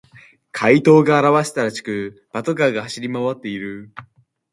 怪盗が現れたらしく、パトカーが走り回っている。